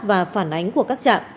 và phản ánh của các trạm